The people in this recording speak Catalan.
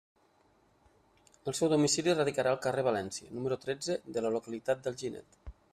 El seu domicili radicarà al carrer València, número tretze, de la localitat d'Alginet.